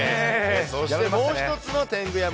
そしてもう１つの天狗山